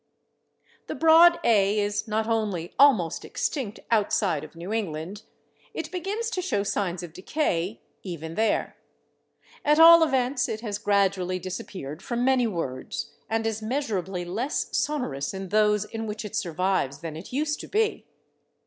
The broad /a/ is not only almost extinct outside of New England; it begins to show signs of decay even there. At all events, it has gradually disappeared from many words, and is measurably less sonorous in those in which it survives than it used to be.